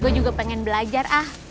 gue juga pengen belajar ah